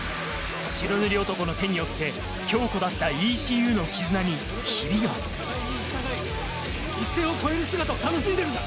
白塗り男の手によって強固だった一線を越える姿を楽しんでるんだ。